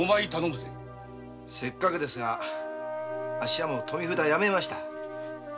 せっかくですがあっしは富札はやめました。